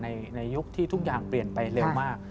ในยุคที่ทุกอย่างเปลี่ยนไปเร็วมาก